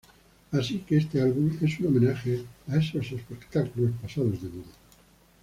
Así que este álbum es un homenaje a esos espectáculos pasados de moda.